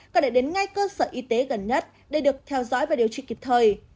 có thể đến ngay cơ sở y tế gần nhất để được theo dõi và điều trị kịp thời